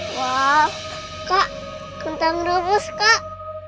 wah kak kentang rebus kak